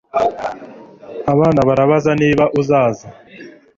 abana barabaza niba uzaza